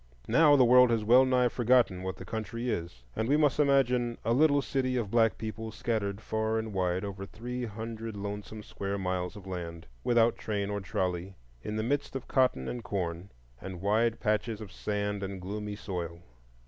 Now the world has well nigh forgotten what the country is, and we must imagine a little city of black people scattered far and wide over three hundred lonesome square miles of land, without train or trolley, in the midst of cotton and corn, and wide patches of sand and gloomy soil.